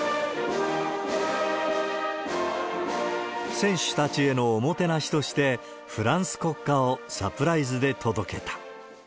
選手たちへのおもてなしとして、フランス国歌をサプライズで届けた。